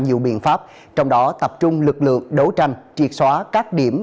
nhiều biện pháp trong đó tập trung lực lượng đấu tranh triệt xóa các điểm